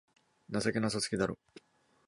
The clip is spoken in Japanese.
情けなさすぎだろ